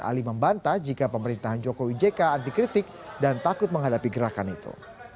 ali membanta jika pemerintahan joko widjeka antikritik dan takut menghadapi gerakan itu